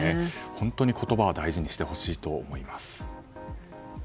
本当に言葉は大事にしてほしいと思います。